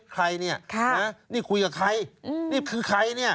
ใครนี่นี่คุยกับใครคือใครนี่